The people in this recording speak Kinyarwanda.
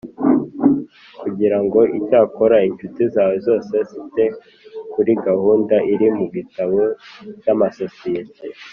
Kujyira ngo Icyakora incuti zawe zose zite kuri gahunda iri mu gitabo cy amasosiyete